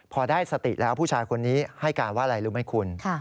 พอได้สติแล้วผู้ชายคนนี้ให้การว่าอะไรรู้ไหมคุณ